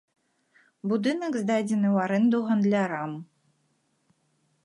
Будынак здадзены ў арэнду гандлярам.